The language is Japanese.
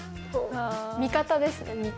味方ですね味方。